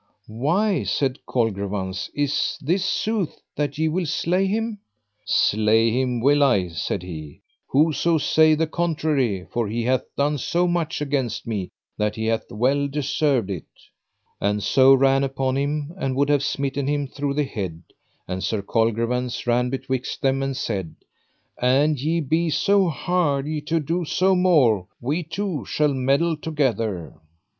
Why, said Colgrevance, is this sooth that ye will slay him? Slay him will I, said he, whoso say the contrary, for he hath done so much against me that he hath well deserved it. And so ran upon him, and would have smitten him through the head, and Sir Colgrevance ran betwixt them, and said: An ye be so hardy to do so more, we two shall meddle together.